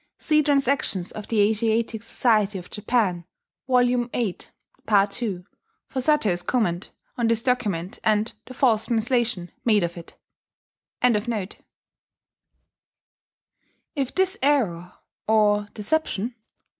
See Transactions of the Asiatic Society of Japan (Vol. VIII, Part II) for Satow's comment on this document and the false translation made of it.] If this error [or deception?